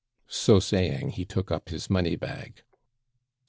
So saying, he took up his money bag.